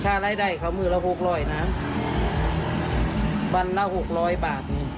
ค่ารายได้เขามือละ๖๐๐นะวันละ๖๐๐บาทหนึ่ง